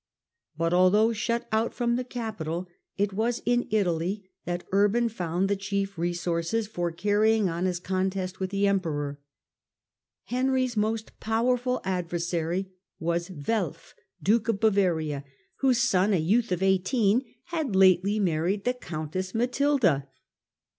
But, although shut out firom the capital, it was in Italy that Urban found the chief resources for carrying state of on his contest with the emperor. Henry's most Italy powerful adversary was Welf, duke of Bavaria, whose son, a youth of eighteen, had lately married the countess Matilda.